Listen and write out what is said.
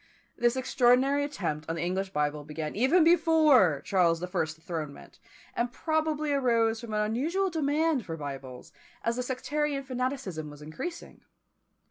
This extraordinary attempt on the English Bible began even before Charles the First's dethronement, and probably arose from an unusual demand for Bibles, as the sectarian fanaticism was increasing.